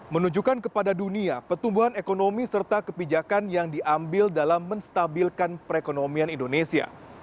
menunjukkan kepada dunia pertumbuhan ekonomi serta kebijakan yang diambil dalam menstabilkan perekonomian indonesia